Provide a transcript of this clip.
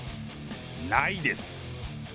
ないです。